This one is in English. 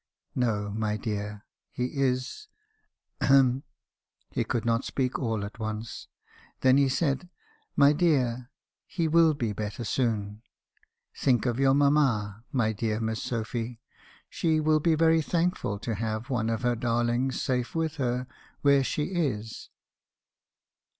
" 'No, my dear. He is — ahem' — he could not speak all at once. Then he said — 'My dear! he will be better soon. Think of your mamma, my dear Miss Sophy. She will be very thankful to have one of her darlings safe with her, where she is.'